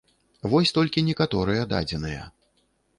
Вось толькі некаторыя дадзеныя.